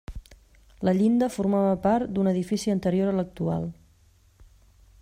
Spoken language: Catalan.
La llinda formava part d'un edifici anterior a l'actual.